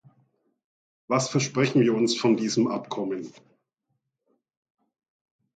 Was versprechen wir uns von diesem Abkommen?